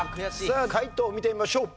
さあ解答見てみましょう。